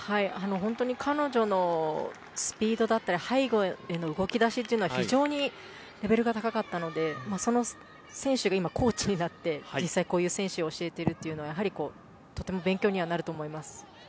本当に彼女のスピードだったり背後への動き出しは非常にレベルが高かったのでその選手が今コーチになって実際に、こういう選手を教えているというのはとても勉強にはなると思います。